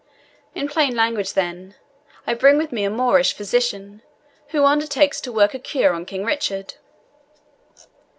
In plain language, then, I bring with me a Moorish physician, who undertakes to work a cure on King Richard."